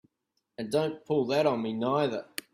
And don't pull that on me neither!